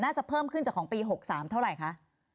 จะเพิ่มขึ้นจากของปี๖๓เท่าไหร่คะ